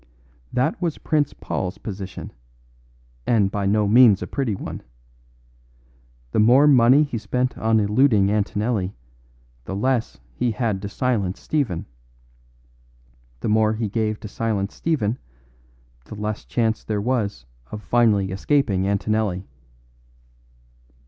That was Prince Paul's position, and by no means a pretty one. The more money he spent on eluding Antonelli the less he had to silence Stephen. The more he gave to silence Stephen the less chance there was of finally escaping Antonelli.